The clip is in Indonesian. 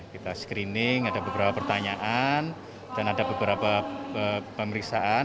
kita screening ada beberapa pertanyaan dan ada beberapa pemeriksaan